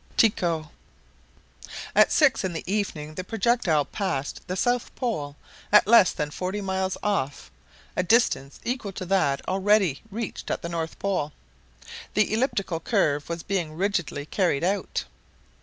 TYCHO At six in the evening the projectile passed the south pole at less than forty miles off, a distance equal to that already reached at the north pole. The elliptical curve was being rigidly carried out.